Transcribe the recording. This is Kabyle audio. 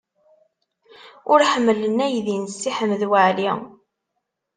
Ur ḥemmlen aydi n Si Ḥmed Waɛli.